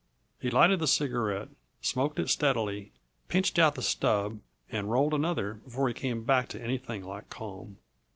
He lighted the cigarette, smoked it steadily, pinched out the stub and rolled another before he came back to anything like calm.